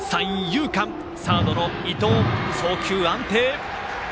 サードの伊藤、送球安定。